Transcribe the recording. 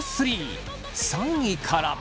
３位から。